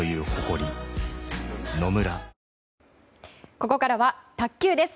ここからは卓球です。